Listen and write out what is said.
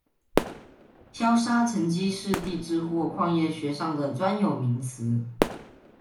漂砂沉积是地质或矿业学上的专有名词。